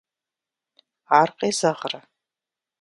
Ар къезэгърэ?